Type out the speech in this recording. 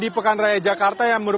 pekan raya jakarta